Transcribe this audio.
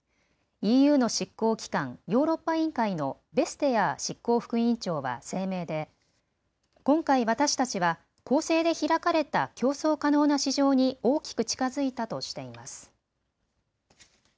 ＥＵの執行機関、ヨーロッパ委員会のベステアー執行副委員長は声明で今回、私たちは公正で開かれた競争可能な市場に大きく近づいたとしています。